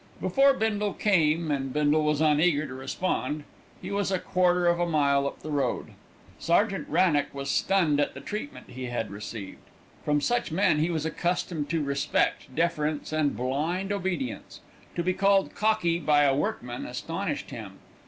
Before Bindle came and Bindle was uneager to respond he was a quarter of a mile up the road. Sergeant Wrannock was stunned at the treatment he had received. From such men he was accustomed to respect, deference, and blind obedience. To be called "cockie" by a workman astonished him.